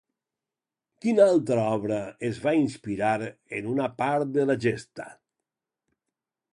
Quina altra obra es va inspirar en una part de la Gesta?